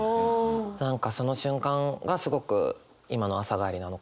何かその瞬間がすごく今の朝帰りなのかな？